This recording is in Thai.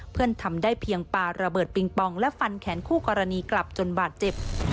ทำได้เพียงปาระเบิดปิงปองและฟันแขนคู่กรณีกลับจนบาดเจ็บ